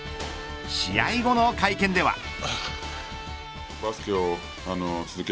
試合後の会見では。